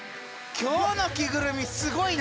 今日の着ぐるみすごいな！